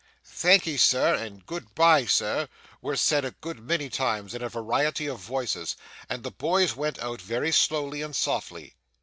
'Thank'ee, Sir,' and 'good bye, Sir,' were said a good many times in a variety of voices, and the boys went out very slowly and softly.